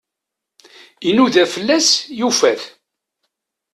Inuda fell-as, yufa-t.